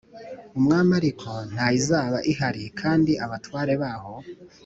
umwami ariko nta yizaba ihari kandi abatware baho